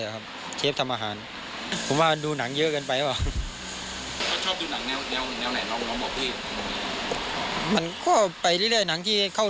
แนวแบบพวกฆ่ากันฟันกันนี่แหละครับอืมพวกฆ่ากันฟันกันนี่ครับครับ